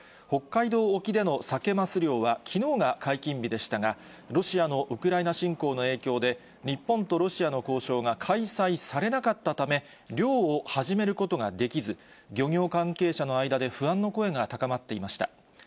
北海道沖でのサケ・マス漁はきのうが解禁日でしたが、ロシアのウクライナ侵攻の影響で、日本とロシアの交渉が開催されなかったため、漁を始めることができず、漁業関係者の間で不安の声が高まっていました。